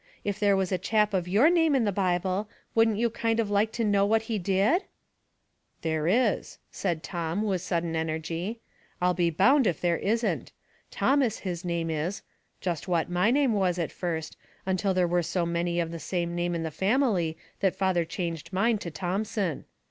If there was a chap of your name in the Bi ble, wouldn't you kind of like to know what he did ?"" There is,'* said Tom, with sudden energy ;" ril be bound if there isn't. Thomas his name is; just what my name was at first, until there were so many of the same name in the family that fatiier changed mine to Thomson.